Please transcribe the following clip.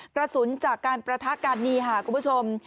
กระสุนจากการประทะกันนี่ค่ะคุณผู้ชม